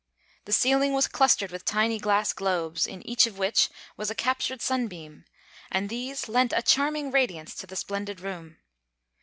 The ceiling was clustered with tiny glass globes, in each of which was a captured sunbeam; and these lent a charming radiance to the splendid room.